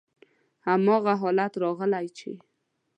هماغه حالت راغلی چې: